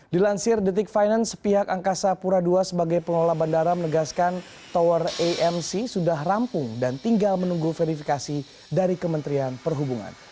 dilansir detik finance pihak angkasa pura ii sebagai pengelola bandara menegaskan tower amc sudah rampung dan tinggal menunggu verifikasi dari kementerian perhubungan